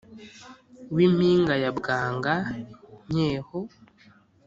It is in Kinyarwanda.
wi mpinga ya bwanga-nkeho